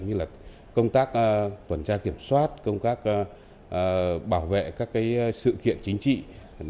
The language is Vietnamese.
như công tác tuần tra kiểm soát công tác bảo vệ các sự kiện chính trị điểm giả mừng